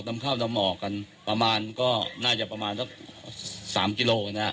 ข้าวดำออกกันประมาณก็น่าจะประมาณสักสามกิโลนะฮะ